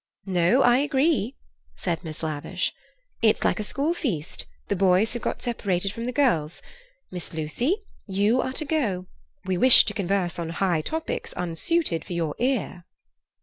"No, I agree," said Miss Lavish. "It's like a school feast; the boys have got separated from the girls. Miss Lucy, you are to go. We wish to converse on high topics unsuited for your ear."